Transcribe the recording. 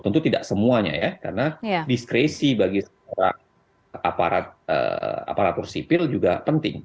tentu tidak semuanya ya karena diskresi bagi seorang aparatur sipil juga penting